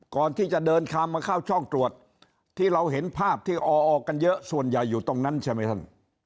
ก่อนที่จะเดินข้ามมาเข้าช่องตรวจที่เราเห็นภาพที่ออกกันเยอะส่วนใหญ่อยู่ตรงนั้นใช่ไหมท่าน